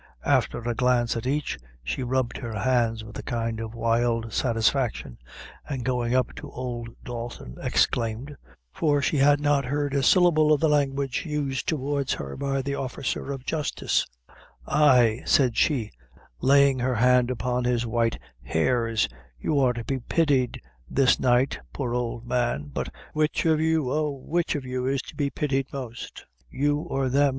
After a glance at each, she rubbed her hands with a kind of wild satisfaction, and going up to old Dalton, exclaimed for she had not heard a syllable of the language used towards her by the officer of justice "Ay," said she, laying her hand upon his white hairs; "you are to be pitied this night, poor ould man; but which of you, oh, which of you is to be pitied most, you or them!